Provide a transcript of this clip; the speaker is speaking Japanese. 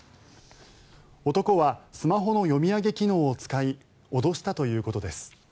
男はスマホの読み上げ機能を使い脅したということです。